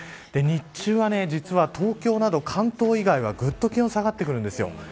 日中は、実は東京など関東以外はぐっと気温が下がってきます。